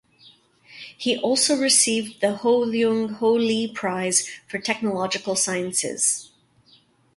He also received the Ho Leung Ho Lee Prize for Technological Sciences.